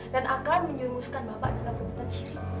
dan akan menyuruhkan bapak dalam perbuatan siri